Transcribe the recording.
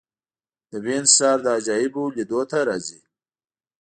د وینز ښار د عجایبو لیدو ته راځي.